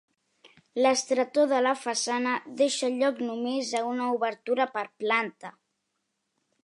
L'estretor de la façana deixa lloc només a una obertura per planta.